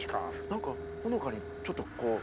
なんかほのかにちょっとこう。